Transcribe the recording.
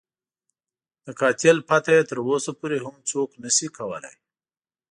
د قاتل پته یې تر اوسه پورې هم څوک نه شي کولای.